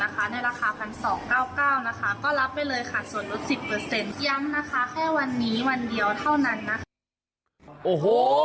ในราคาพันสองเก้าเก้านะคะก็รับไปเลยค่ะส่วนลดสิบเปอร์เซ็นต์